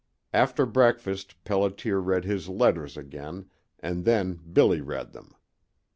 After breakfast Pelliter read his letters again, and then Billy read them.